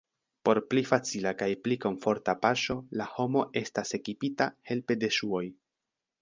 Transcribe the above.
Por pli facila kaj pli komforta paŝo la homo estas ekipita helpe de ŝuoj.